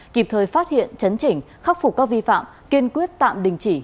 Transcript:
kịp thời phát hiện chấn chỉnh khắc phục các vi phạm kiên quyết tạm đình chỉ